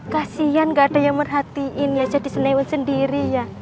kasian gak ada yang merhatiin ya jadi senewen sendiri ya